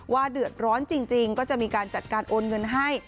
เดือดร้อนจริงก็จะมีการจัดการโอนเงินให้